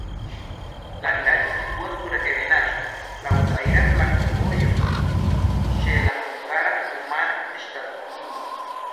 La vilaĝo situas sur ebenaĵo, laŭ traira flankovojo, ĉe la hungara-rumana ŝtatlimo.